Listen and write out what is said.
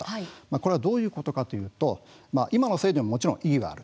これはどういうことかというと今の制度はもちろん意義がある。